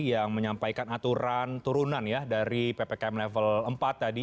yang menyampaikan aturan turunan ya dari ppkm level empat tadi